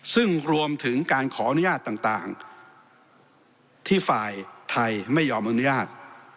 ซึ่งรวมถึงการขออนุญาตต่างที่ฝ่ายไทยไม่ยอมอนุญาต